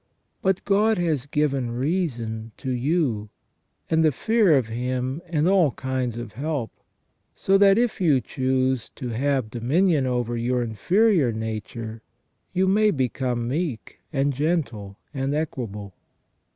But God has given reason to you, and the fear of Hin), and all kinds of help, so that if you choose to have dominion over your inferior nature, you may become meek, and gentle, and equable.